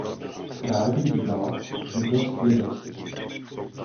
Rád bych dodal, že dost je dost.